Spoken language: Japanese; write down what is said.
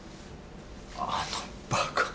あのバカ。